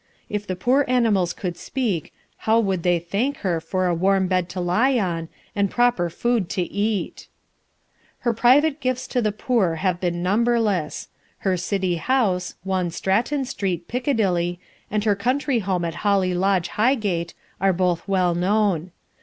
If the poor animals could speak, how would they thank her for a warm bed to lie on, and proper food to eat! Her private gifts to the poor have been numberless. Her city house, I Stratton Street, Piccadilly, and her country home at Holly Lodge, Highgate, are both well known.